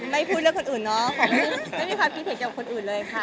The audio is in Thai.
ไม่พูดเรื่องคนอื่นเนาะขอไม่มีความกีเทคกับคนอื่นเลยค่ะ